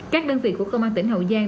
các đơn vị của công an tỉnh hậu giang